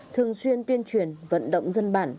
thường xuyên tuyên truyền vận động dân bản